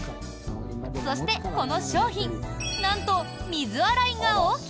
そして、この商品なんと水洗いがＯＫ。